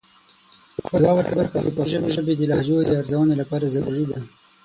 د واورئ برخه د پښتو ژبې د لهجو د ارزونې لپاره ضروري ده.